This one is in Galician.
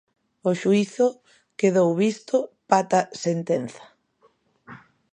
O xuízo quedou visto pata sentenza.